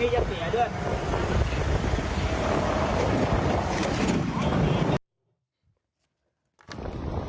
จะเสียด้วย